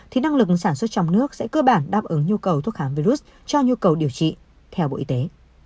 thì năng lực sản xuất trong nước sẽ cơ bản đáp ứng nhu cầu thuốc kháng virus cho nhu cầu điều trị theo bộ y tế